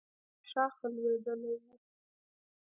نژدې له شاخه لوېدلی و.